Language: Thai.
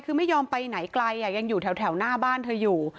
คือไม่ยอมไปไหนไกลยังอยู่แถวหน้าบ้านเธออยู่